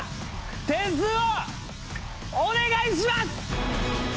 点数をお願いします。